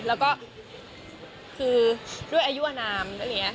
แล้วก็คือด้วยอายุอนาม